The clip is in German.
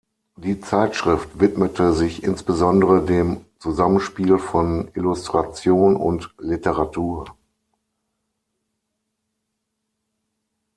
Die Zeitschrift widmete sich insbesondere dem Zusammenspiel von Illustration und Literatur.